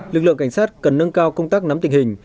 lực lượng cảnh sát cần nâng cao công tác nắm tình hình